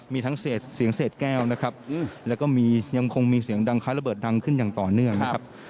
มีทั้งเสียงเศษแก้วนะครับแล้วก็มียังคงมีเสียงดังคล้ายระเบิดดังขึ้นอย่างต่อเนื่องนะครับ